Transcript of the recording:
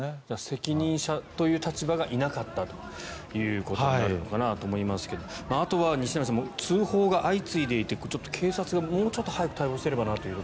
責任者という立場がいなかったということになるのかなと思いますがあとは西成さん通報が相次いでいて警察がもうちょっと早く対応すればなという。